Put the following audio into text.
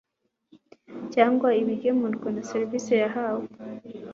cyangwa ibigemurwa na serivisi yahawe